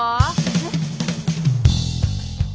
えっ。